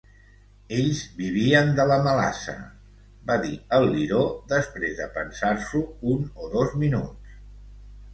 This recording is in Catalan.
"Ells vivien de la melassa", va dir el Liró, després de pensar-s'ho un o dos minuts.